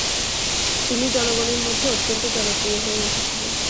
তিনি জনগণের মধ্যে অত্যন্ত জনপ্রিয় হয়ে উঠেছিলেন।